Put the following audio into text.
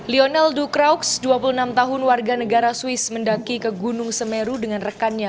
lionel ducrox dua puluh enam tahun warga negara swiss mendaki ke gunung semeru dengan rekannya